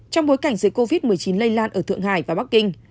trong bối cảnh dịch covid một mươi chín lây lan ở thượng hải và bắc kinh